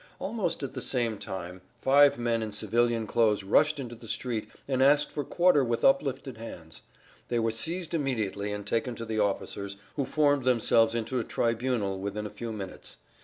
Almost at the same time, five men in civilian clothes rushed into the street and asked for quarter with uplifted hands. They were seized immediately and taken to the officers, who formed themselves into a tribunal within a few minutes.